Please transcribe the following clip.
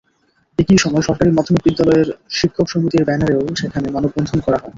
একই সময় সরকারি মাধ্যমিক বিদ্যালয়ের শিক্ষক সমিতির ব্যানারেও সেখানে মানববন্ধন করা হয়।